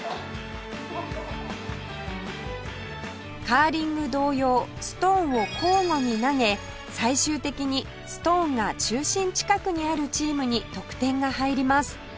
カーリング同様ストーンを交互に投げ最終的にストーンが中心近くにあるチームに得点が入ります